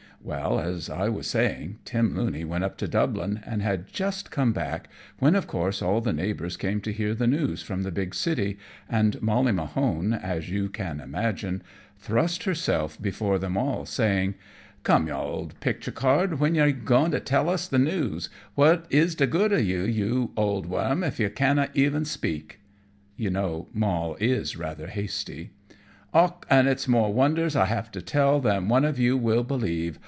Well, as I was saying, Tim Looney went up to Dublin, and had just come back, when of course all the neighbours came to hear the news from the big city, and Molly Mahone, as you can imagine, thrust herself before them all, saying "Come, you auld pictur card, when are you goin' to tell us the news? What is the good of you, you auld worm, if you canna even speak?" You know Moll is rather hasty. "Och, and it's more wonders I have to tell than one of you will believe.